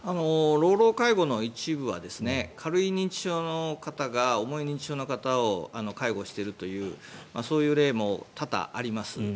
老老介護の一部は軽い認知症の方が重い認知症の方を介護しているというそういう例も多々あります。